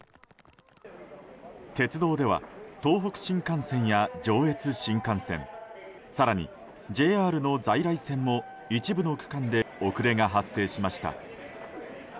鉄道では東北新幹線や上越新幹線更に、ＪＲの在来線も一部の区間で遅れが発生しました。